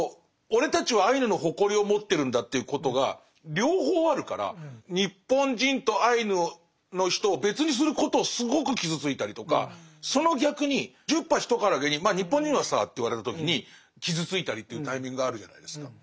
俺たちはアイヌの誇りを持ってるんだっていうことが両方あるから日本人とアイヌの人を別にすることをすごく傷ついたりとかその逆に十把一からげに「まあ日本人はさ」って言われた時に傷ついたりっていうタイミングがあるじゃないですか。